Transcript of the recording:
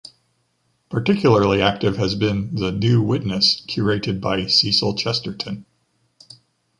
Particularly active has been the "New Witness", curated by Cecil Chesterton.